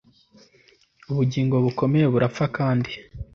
ubugingo bukomeye burapfa kandi